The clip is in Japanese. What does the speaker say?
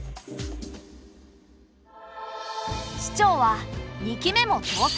市長は２期目も当選。